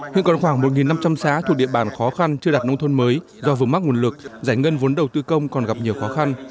hiện còn khoảng một năm trăm linh xã thuộc địa bàn khó khăn chưa đạt nông thôn mới do vùng mắc nguồn lực giải ngân vốn đầu tư công còn gặp nhiều khó khăn